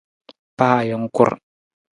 Pa ajungkur!